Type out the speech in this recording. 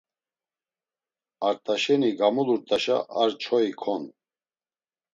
Art̆aşeni gamulurt̆aşa ar çoi kon.